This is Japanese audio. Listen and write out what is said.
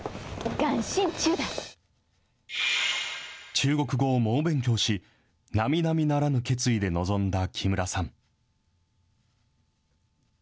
中国語を猛勉強し、なみなみならぬ決意で臨んだ木村さん。